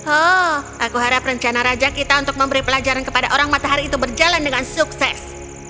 oh aku harap rencana raja kita untuk memberi pelajaran kepada orang matahari itu berjalan dengan sukses